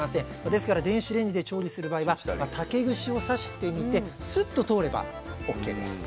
ですから電子レンジで調理する場合は竹串を刺してみてスッと通ればオッケーです。